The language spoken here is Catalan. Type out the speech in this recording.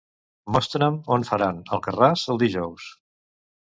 Mostra'm on faran "Alcarràs" el dijous.